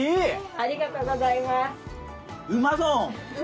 ありがとうございます。